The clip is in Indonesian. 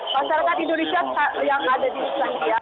masyarakat indonesia yang ada di islandia